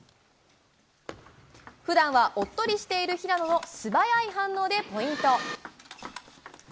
ふだんはおっとりしている平野の素早い反応でポイント。